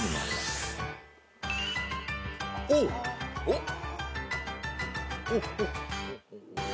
おっ！